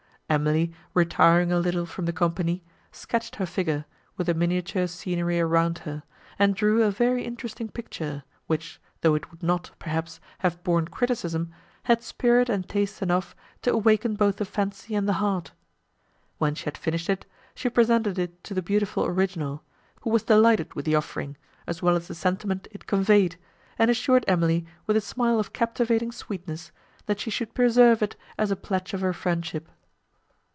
Emily, retiring a little from the company, sketched her figure, with the miniature scenery around her, and drew a very interesting picture, which, though it would not, perhaps, have borne criticism, had spirit and taste enough to awaken both the fancy and the heart. When she had finished it, she presented it to the beautiful original, who was delighted with the offering, as well as the sentiment it conveyed, and assured Emily, with a smile of captivating sweetness, that she should preserve it as a pledge of her friendship.